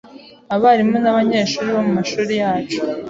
abarimu n’abanyeshuri bo mu mashuri yacu,